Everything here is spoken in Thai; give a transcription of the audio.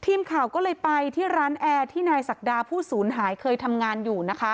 ทีมข่าวก็เลยไปที่ร้านแอร์ที่นายศักดาผู้สูญหายเคยทำงานอยู่นะคะ